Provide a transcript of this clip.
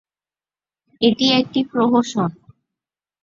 এটি একটি প্রহসন।